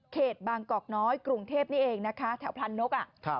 บางกอกน้อยกรุงเทพนี่เองนะคะแถวพลันนก